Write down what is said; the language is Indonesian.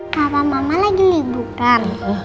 papa mama lagi libukan